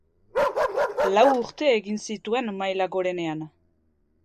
Lau urte egin zituen maila gorenean.